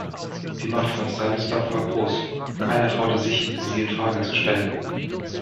Die Macht von Stanislav war groß, keiner traute sich sie in Frage zu stellen.